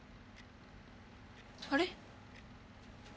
あれ？